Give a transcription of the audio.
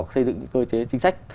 xây dựng những cơ chế chính sách